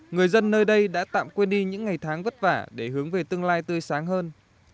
người dân nơi đây đã tạm quên đi những ngày tháng vất vả để hướng về tương lai tươi sáng hơn